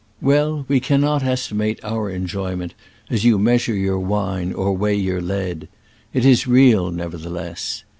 Well, we cannot estimate our enjoyment as you measure your wine or weigh your lead : it is real, neverthe less.